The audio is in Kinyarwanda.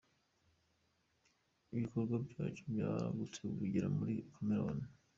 Ibikorwa byacyo byaragutse bigera no muri Cameroon.